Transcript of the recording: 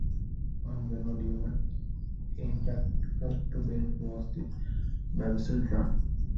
One venue deemed impractical to build was the bobsled run.